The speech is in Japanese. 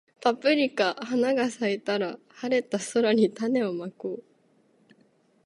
パプリカ花が咲いたら、晴れた空に種をまこう